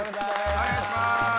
お願いします。